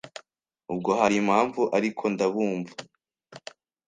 ubwo harimpamvu arko ndabumva